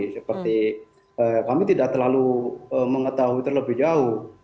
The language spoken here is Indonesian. seperti kami tidak terlalu mengetahui terlebih jauh